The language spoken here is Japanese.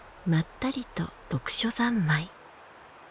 まったりと読書三昧。